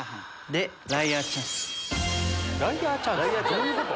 どういうこと？